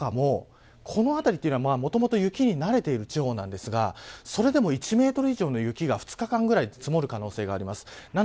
その他も、この辺りは、もともと雪には慣れている地方なんですがそれでも１メートル以上の雪が２日間ぐらい積もる可能性があります。